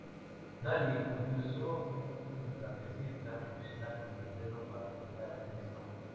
Dalí utilizó un trapecista profesional como modelo para pintar a Cristo.